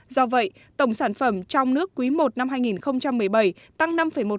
do vậy tổng sản phẩm trong nước quý i năm hai nghìn một mươi bảy tăng năm một